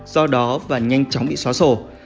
do đó và nhanh chóng bị xóa sổ